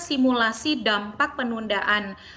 simulasi dampak penundaan